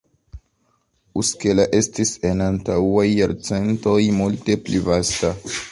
Uskela estis en antaŭaj jarcentoj multe pli vasta.